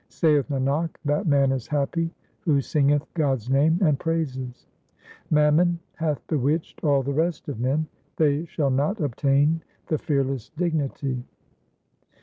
Saith Nanak, that man is happy who singeth God's name and praises ; Mammon hath bewitched all the rest of men ; they shall not obtain the fearless dignity.